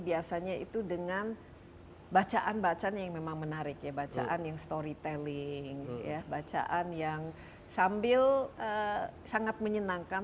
biasanya itu dengan bacaan bacaan yang memang menarik ya bacaan yang storytelling bacaan yang